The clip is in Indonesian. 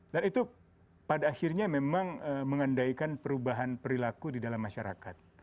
dan itu pada akhirnya memang mengandaikan perubahan perilaku di dalam masyarakat